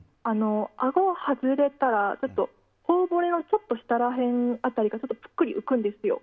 あごが外れたら頬骨のちょっと下辺りがちょっと、ぷっくり浮くんです。